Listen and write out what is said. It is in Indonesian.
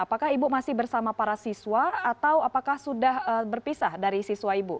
apakah ibu masih bersama para siswa atau apakah sudah berpisah dari siswa ibu